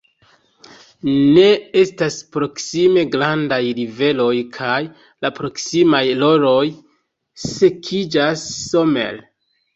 Ne estas proksime grandaj riveroj kaj la proksimaj rojoj sekiĝas somere.